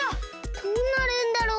どうなるんだろう？